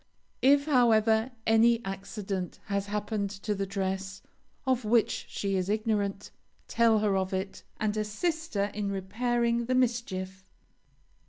If, however, any accident has happened to the dress, of which she is ignorant, tell her of it, and assist her in repairing the mischief.